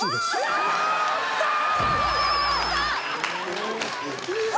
やったー！